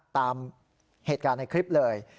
ตามเหตุการณ์ในคลิปเลย